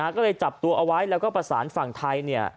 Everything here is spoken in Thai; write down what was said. ก็เลยจับตัวเอาไว้แล้วก็ประสานฝั่งไทย